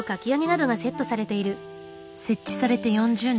設置されて４０年。